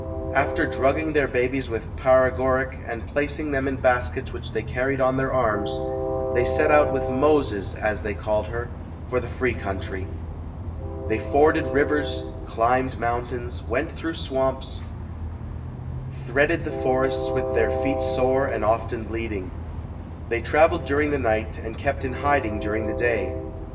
After drugging their babies with paregoric and placing HARRIET TUBMAN [ 95 them in baskets which they carried on their arms, they set out with "Moses", as they called her, for the free country. They forded rivers, climbed mountains, went through the swamps, threaded the forests with their feet sore and often bleeding. They traveled during the night and kept in hiding during the day.